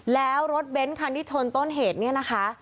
แล้วรถเบ้นคันที่ชนต้นเหตุเนี่ยนะคะ